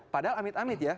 padahal amit amit ya